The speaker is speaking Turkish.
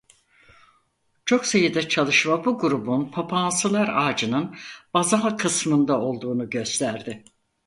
Çok sayıda çalışma bu grubun Papağansılar ağacının bazal kısmında olduğunu gösterdi.